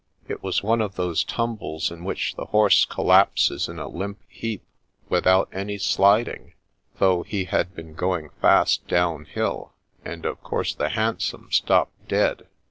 It was one of those tumbles in which the horse collapses in a limp heap without any slid ing, though he had been going fast downhill, and of course the hansom stopped dead.